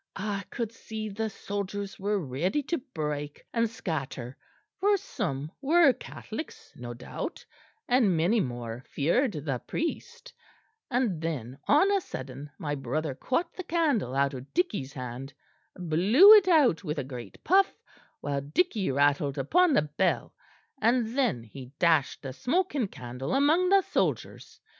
I could see the soldiers were ready to break and scatter, for some were Catholics no doubt, and many more feared the priest; and then on a sudden my brother caught the candle out of Dickie's hand, blew it out with a great puff, while Dickie rattled upon the bell, and then he dashed the smoking candle among the soldiers.